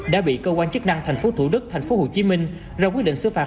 đã bị cơ quan chức năng thành phố thủ đức thành phố hồ chí minh ra quyết định xứ phạt